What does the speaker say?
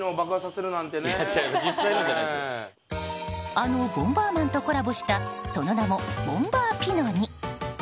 あの「ボンバーマン」とコラボしたその名も「ボンバーピノ」に。